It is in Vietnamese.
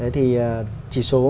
thì chỉ số